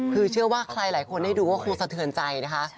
คือเชื่อว่าใครหลายคนได้ดูก็คงสะเทือนใจนะคะ